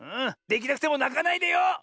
できなくてもなかないでよ！